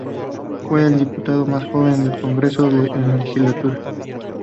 Fue el diputado más joven del congreso en esa legislatura.